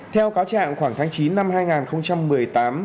theo cáo trạng khoảng tháng chín năm hai nghìn một mươi tám